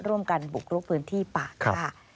ร่วมกันบุกรุกพื้นที่ป่าค่ะ